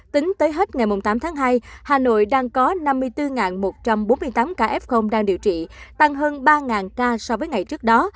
tính tới hết ngày tám tháng hai hà nội đang có năm mươi bốn một trăm bốn mươi tám ca f đang điều trị tăng hơn ba ca so với ngày trước đó